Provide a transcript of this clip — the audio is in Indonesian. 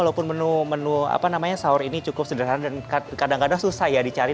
walaupun menu menu apa namanya sahur ini cukup sederhana dan kadang kadang susah ya dicari